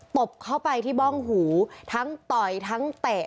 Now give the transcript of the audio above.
บเข้าไปที่บ้องหูทั้งต่อยทั้งเตะ